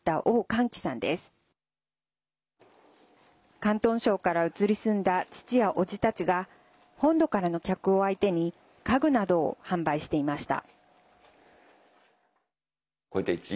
広東省から移り住んだ父や、おじたちが本土からの客を相手に家具などを販売していました。